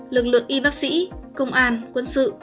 lực lượng y bác sĩ công an quân sự